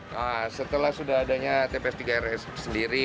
nah setelah sudah adanya tps tiga r sendiri